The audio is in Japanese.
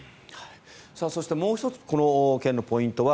そして、もう１つこの件のポイントは